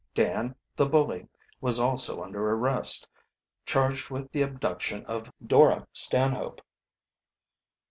Dan, the bully, was also under arrest, charged with the abduction of Dora Stanhope.